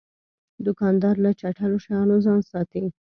دوکاندار له چټلو شیانو ځان ساتي.